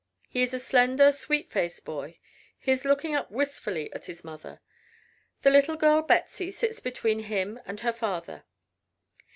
He is a slender, sweet faced boy. He is looking up wistfully at his mother. The little girl Betsey sits between him and her father.